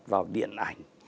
vào điện ảnh